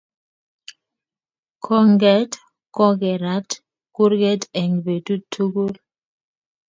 Ko nget ko kerat kurget eng betut tugul